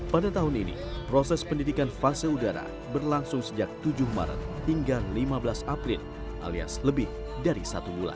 pada tahun ini proses pendidikan fase udara berlangsung sejak tujuh maret hingga lima belas april alias lebih dari satu bulan